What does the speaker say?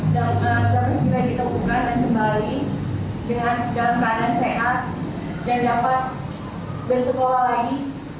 dapat segera ditemukan dan kembali dengan dalam keadaan sehat dan dapat bersekolah lagi